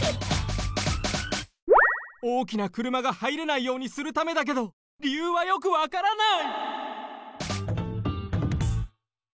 おおきなくるまがはいれないようにするためだけどりゆうはよくわからない！